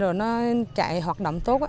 rồi nó chạy hoạt động tốt